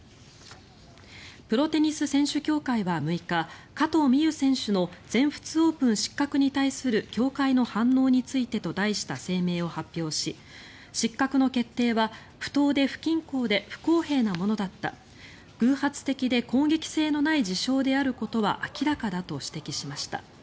プロテニス選手協会は６日加藤未唯選手の全仏オープン失格に対する協会の反応についてと題した声明を発表し失格の決定は不当で不均衡で不公平なものだった偶発的で攻撃性のない事象であることは明らかだと指摘しました。